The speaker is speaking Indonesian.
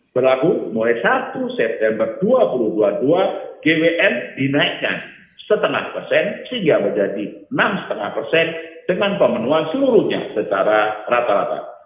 berlaku mulai satu september dua ribu dua puluh dua gwm dinaikkan setengah persen sehingga menjadi enam lima persen dengan pemenuhan seluruhnya secara rata rata